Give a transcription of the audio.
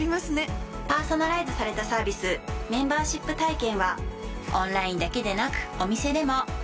パーソナライズされたサービスメンバーシップ体験はオンラインだけでなくお店でも。